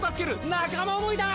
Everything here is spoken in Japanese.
仲間想いだ！